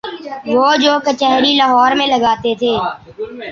وہ جو کچہری لاہور میں لگاتے تھے۔